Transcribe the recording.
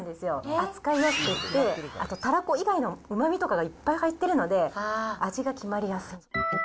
扱いやすくって、あと、たらこ以外のうまみとかがいっぱい入っているので、味が決まりやすい。